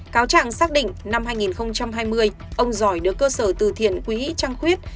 cáo trạng xác định năm hai nghìn hai mươi ông giỏi được cơ sở từ thiện quý trăng quyết